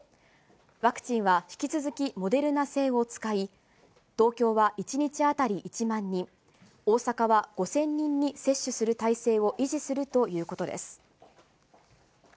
ワクチンは引き続きモデルナ製を使い、東京は１日当たり１万人、大阪は５０００人に接種する体制を維持するということです。